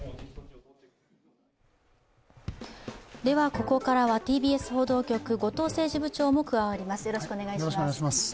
ここからはＴＢＳ報道局、後藤政治部長も加わります。